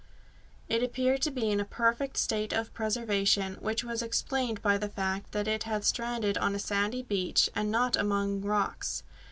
It appeared to be in a perfect state of preservation, which was explained by the fact that it had stranded on a sandy beach, and not among rocks.